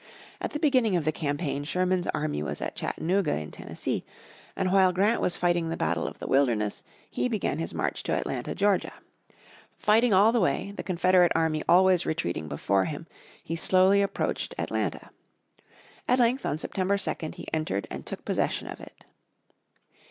At the beginning of the campaign Sherman's army was at Chattanooga in Tennessee, and while Grant was fighting the battle of the Wilderness, he began his march to Atlanta, Georgia. Fighting all the way, the Confederate army always retreating before him, he slowly approached Atlanta. At length on September 2nd he entered and took possession of it.